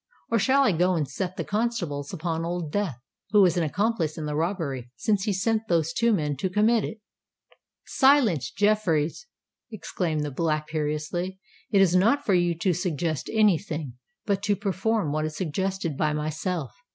or shall I go and set the constables upon Old Death, who was an accomplice in the robbery, since he sent those two men to commit it." "Silence, Jeffreys!" exclaimed the Black imperiously: "it is not for you to suggest any thing—but to perform what is suggested by myself!